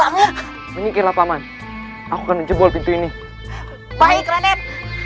amin ini ke lapangan aku akan menjebol pintu ini baik raden